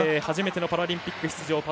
初めてのパラリンピック出場。